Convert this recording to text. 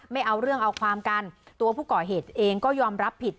ไม่เอาเรื่องเอาความกันตัวผู้ก่อเหตุเองก็ยอมรับผิด